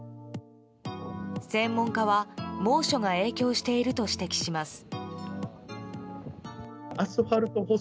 専門家は、猛暑が影響していると指摘します。